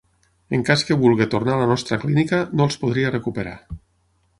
En cas que vulgui tornar a la nostra clínica no els podria recuperar.